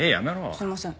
すいません。